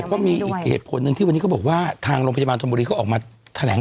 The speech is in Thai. ก็มีอีกเหตุผลหนึ่งที่วันนี้เขาบอกว่าทางโรงพยาบาลธนบุรีเขาออกมาแถลง